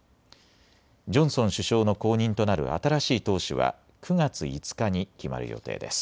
ジョンソン首相の後任となる新しい党首は９月５日に決まる予定です。